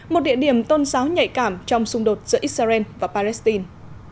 một địa điểm tôn giáo nhạy cảm trong xung đột giữa israel và palestine